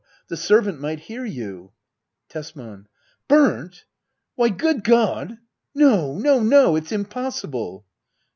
The servant might hear you. Tesman, Burnt ! Why, good God ! No, no, no ! It's impossible